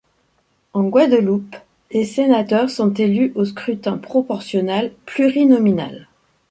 En Guadeloupe, les sénateurs sont élus au scrutin proportionnel plurinominal.